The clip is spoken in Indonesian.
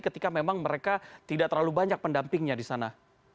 ketika memang mereka tidak terlalu banyak pendampingnya di sana